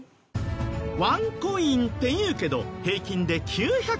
ワンコインって言うけど平均で９００円。